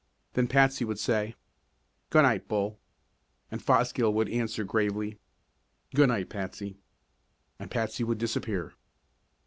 Then Patsy would say: "Good night, Bull." And Fosgill would answer gravely: "Good night, Patsy." And Patsy would disappear.